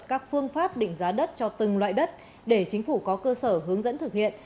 các phương pháp định giá đất cho từng loại đất để chính phủ có cơ sở hướng dẫn thực hiện